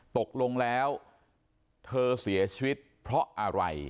ตกลงแล้วเธอเสียชีวิตเพราะอะไร